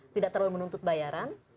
tidak terlalu menuntut bayaran